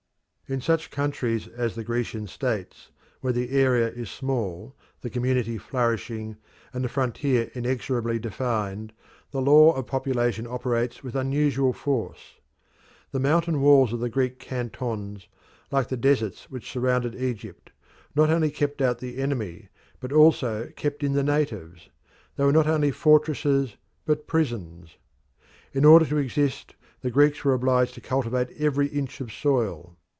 In such countries as the Grecian states, where the area is small, the community flourishing, and the frontier inexorably defined, the law of population operates with unusual force. The mountain walls of the Greek cantons, like the deserts which surrounded Egypt, not only kept out the enemy but also kept in the natives; they were not only fortresses but prisons. In order to exist, the Greeks were obliged to cultivate every inch of soil.